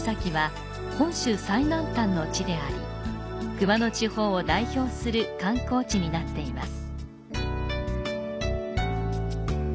熊野地方を代表する観光地になっています。